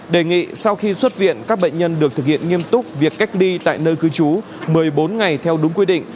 đề nghị sau khi xuất viện các bệnh nhân được thực hiện nghiêm túc việc cách ly tại nơi cư trú một mươi bốn ngày theo đúng quy định